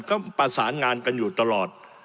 ก็ประสานงานกันอยู่ตลอด